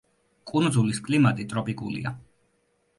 კუნძულის კლიმატი ტროპიკულია.